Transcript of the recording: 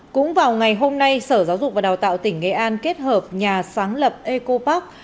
cũng vào ngày hôm nay sở giáo dục và đào tạo tỉnh nghệ an kết hợp nhà sáng lập eco park